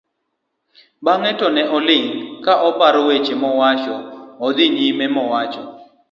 bang'e to ne oling' ka oparo weche mowacho ma odhi nyime giwacho